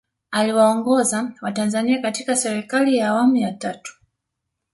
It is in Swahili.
aliwaongoza watanzania katika serikali ya awamu ya tatu